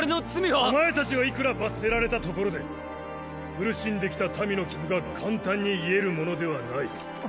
お前たちがいくら罰せられたところで苦しんできた民の傷が簡単に癒えるものではない。